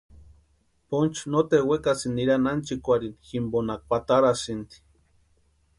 Ponchu noteru wekasïnti nirani ánchikwarhini jimponha kwatarasïnti.